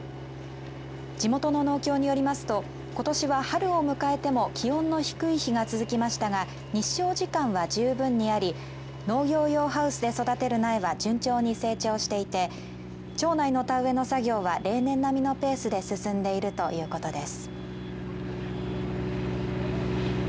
地元の農協によりますとことしは春を迎えても気温の低い日が続きましたが日照時間は十分にあり農業用ハウスで育てる苗は順調に成長していて町内の田植えの作業は例年並みのペースで進んでいるということです。